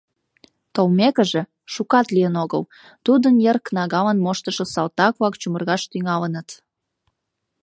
Толмекыже, шукат лийын огыл, тудын йыр кнагалан моштышо салтак-влак чумыргаш тӱҥалыныт.